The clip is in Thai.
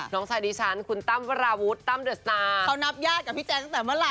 น้องชายดิฉันคุณตั้มวราวุฒิตั้มเดอร์สตาร์เขานับญาติกับพี่แจ๊คตั้งแต่เมื่อไห